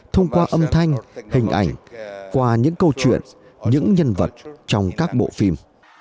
thông qua âm thanh hình ảnh qua những câu chuyện những nhân vật trong các bộ phim